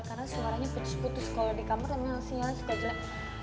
karena suaranya pecut putus kalo di kamar tapi sinyalnya suka jelek